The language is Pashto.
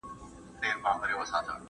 موږ باید په رښتیا پوه شو.